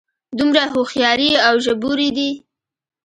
دومره هوښیارې او ژبورې دي.